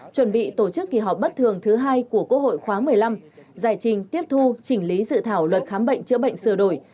chuẩn bị tổ chức kỳ họp bất thường thứ hai của quốc hội khóa một mươi năm giải trình tiếp thu chỉnh lý dự thảo luật khám bệnh chữa bệnh sửa đổi